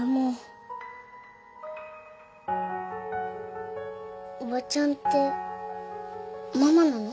おばちゃんってママなの？